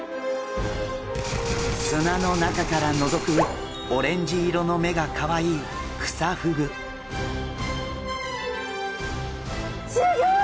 砂の中からのぞくオレンジ色の目がカワイイすギョい！